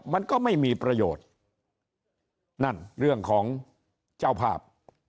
มันก็ไม่มีประโยชน์นั่นเรื่องของเจ้าภาพ